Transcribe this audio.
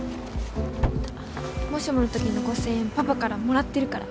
もしもの時の５，０００円パパからもらってるから。